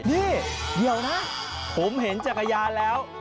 นี่เดี๋ยวนะผมเห็นจักรยานแล้ว